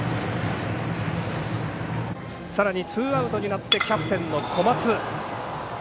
さらにツーアウトになってキャプテンの小松。